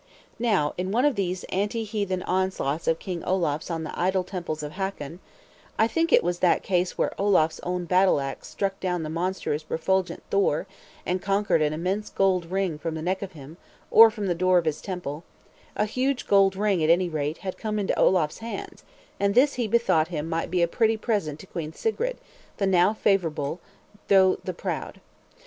Now, in one of these anti heathen onslaughts of King Olaf's on the idol temples of Hakon (I think it was that case where Olaf's own battle axe struck down the monstrous refulgent Thor, and conquered an immense gold ring from the neck of him, or from the door of his temple), a huge gold ring, at any rate, had come into Olaf's hands; and this he bethought him might be a pretty present to Queen Sigrid, the now favorable, though the proud.